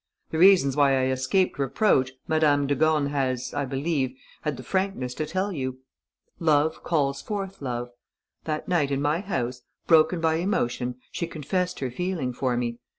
The reasons why I escaped reproach Madame de Gorne has, I believe, had the frankness to tell you. Love calls forth love. That night, in my house, broken by emotion, she confessed her feeling for me.